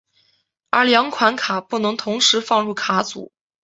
而两款卡不能同时放入卡组。